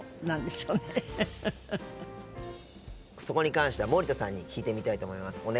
そこに関しては森田さんに聞いてみたいと思います。